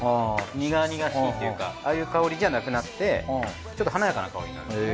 苦々しいというかああいう香りじゃなくなってちょっと華やかな香りになるんですね。